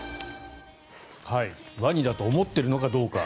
ワニだと思っているのかどうか。